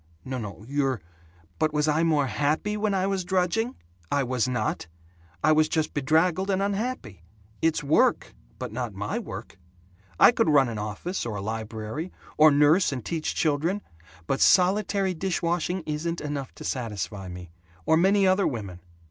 "N no, you're " "But was I more happy when I was drudging? I was not. I was just bedraggled and unhappy. It's work but not my work. I could run an office or a library, or nurse and teach children. But solitary dish washing isn't enough to satisfy me or many other women.